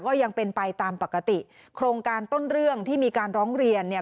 ก็ยังเป็นไปตามปกติโครงการต้นเรื่องที่มีการร้องเรียนเนี่ย